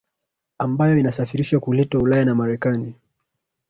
ambayo inasafirishwa kuletwa ulaya na marekani